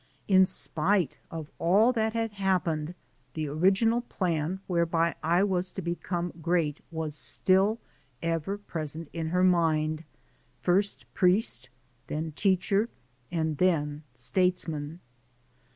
In spite of all that had happened, the orig inal plan whereby I was to become great was still ever present in her mind: "First priest, then teacher, and then statesman."